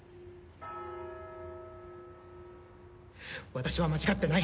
私は間違ってない。